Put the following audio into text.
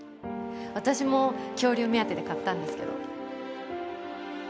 私も恐竜目当てで買ったんですけど。